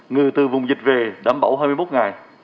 người từ vùng dịch về đảm bảo hai mươi một ngày